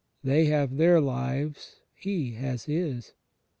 They have their lives; He has His.